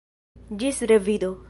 Ĝis revido!